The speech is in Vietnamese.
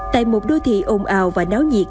tại một đô thị ồn ào và đáo nhiệt